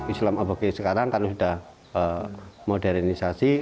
islam aboge sekarang karena sudah modernisasi